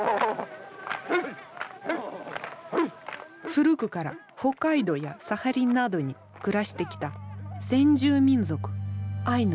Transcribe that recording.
古くから北海道やサハリンなどに暮らしてきた先住民族アイヌの人々。